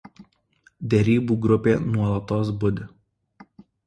Derybų grupė nuolatos budi.